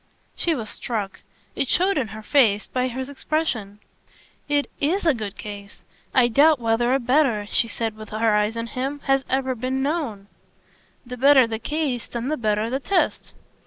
She was struck it showed in her face by his expression. "It IS a good case. I doubt whether a better," she said with her eyes on him, "has ever been known." "The better the case then the better the test!"